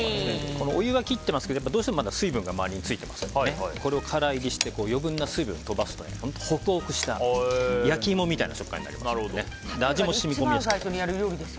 お湯は切っていますけどどうしても水分がまだ周りについてますからこれを乾煎りして余分な水分を飛ばすと本当にホクホクした焼き芋みたいな食感になりますし味も染み込みやすくなります。